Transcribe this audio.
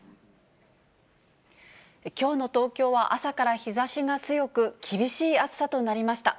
きょうの東京は朝から日ざしが強く、厳しい暑さとなりました。